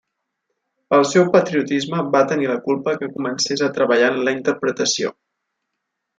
El seu patriotisme va tenir la culpa que comences a treballar en la interpretació.